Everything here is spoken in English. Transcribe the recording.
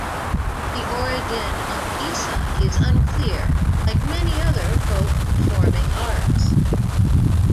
The origin of Eisa is unclear like many other folk performing arts.